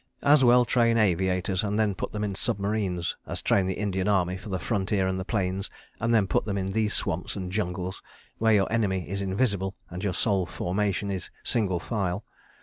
... As well train aviators and then put them in submarines as train the Indian Army for the frontier and the plains and then put them in these swamps and jungles where your enemy is invisible and your sole "formation" is single file.